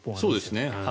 そうですね。